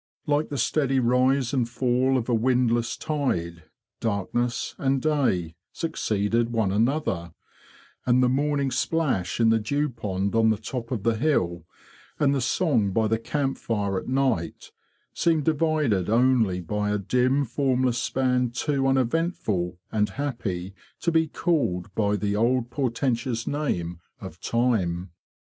Like the steady rise and fall of a windless tide, darkness and day succeeded one another; and the morning splash in the dew pond on the top of the hill, and the song by the camp fire at night, seemed divided only by a dim formless span too uneventful and happy to be called by the old portentous name of Time.